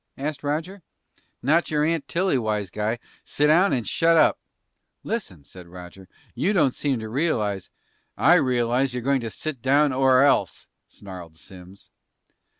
asked Roger. "Not your Aunt Tilly, wise guy! Sit down and shut up!" "Listen," said Roger, "you don't seem to realize " "I realize you're going to sit down or else!" snarled Simms.